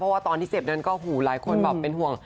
เพราะว่าตอนที่เจ็บนั้นก็หูหลายคนแบบเป็นห่วง